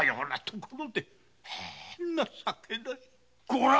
こら！